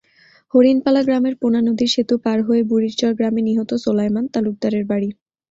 হরিণপালা গ্রামের পোনা নদীর সেতু পার হয়ে বুড়িরচর গ্রামে নিহত সোলায়মান তালুকদারের বাড়ি।